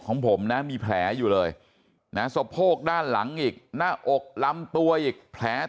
ของผมนะมีแผลอยู่เลยนะสะโพกด้านหลังอีกหน้าอกลำตัวอีกแผล